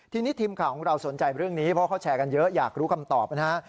ทีนี้ทีมข่าวของเราสนใจเรื่องนี้เพราะเขาแชร์กันเยอะอยากรู้คำตอบนะฮะ